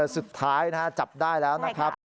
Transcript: สุดท้ายจับได้แล้วนะครับ